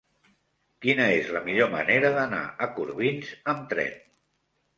Quina és la millor manera d'anar a Corbins amb tren?